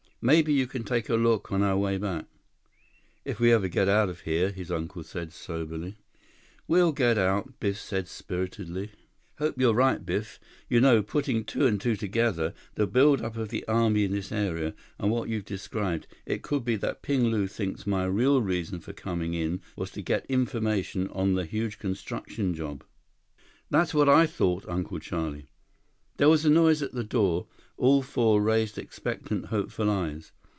"Maybe you can take a look on our way back." "If we ever get out of here," his uncle said soberly. "We'll get out," Biff said spiritedly. "Hope you're right, Biff. You know, putting two and two together, the build up of the Army in this area, and what you've described, it could be that Ping Lu thinks my real reason for coming in was to get information on the huge construction job." "That's what I thought, Uncle Charlie." There was a noise at the door. All four raised expectant, hopeful eyes.